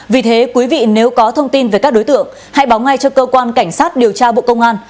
vì thế quý vị nếu có thông tin về các đối tượng hãy báo ngay cho cơ quan cảnh sát điều tra bộ công an